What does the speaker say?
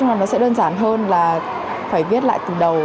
nó sẽ đơn giản hơn là phải viết lại từ đầu